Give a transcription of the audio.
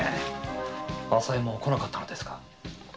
朝右衛門は来なかったのですか？